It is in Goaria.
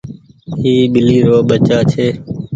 اي ٻلي رو ٻچآ ڇي۔